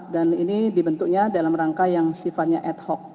dan ini dibentuknya dalam rangka yang sifatnya ad hoc